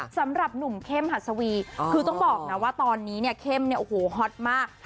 สำหรับหนุ่มเข้มหัสวีคือต้องบอกนะว่าตอนนี้เนี่ยเข้มเนี่ยโอ้โหฮอตมาก